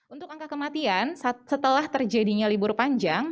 untuk angka kematian setelah terjadinya libur panjang